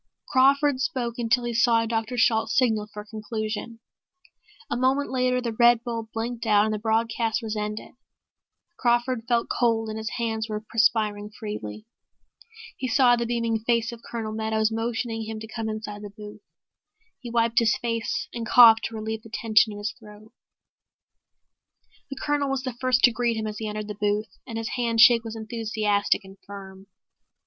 Crawford spoke until he saw Dr. Shalt signal for a conclusion. A moment later the red bulb blinked out and the broadcast was ended. Crawford felt cold and his hands were perspiring freely. He saw the beaming face of Colonel Meadows motioning him to come inside the booth. He wiped his face, and coughed to relieve the tension in his throat. The Colonel was the first to greet him as he entered the booth, and his handshake was enthusiastic and firm. Dr.